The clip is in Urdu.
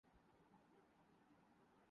وسطی افریقہ